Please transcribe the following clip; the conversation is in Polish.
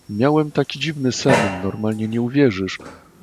Miałem taki dziwny sen, normalnie nie uwierzysz...